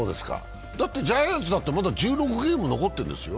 ジャイアンツだって、まだ１６ゲーム残ってるんですよ。